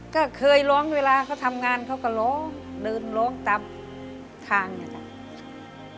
ก็เคยร้องเวลาเขาทำงานเขาก็ร้องหรือร้องตามทางอย่างเงี้ย